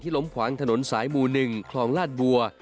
ล้มขวางถนนสายหมู่๑คลองลาดบัว